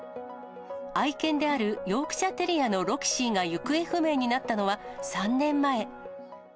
愛犬であるヨークシャテリアのロキシーが行方不明になったのは３年前。